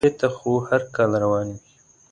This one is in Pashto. عمرې ته خو هر کال روان وي.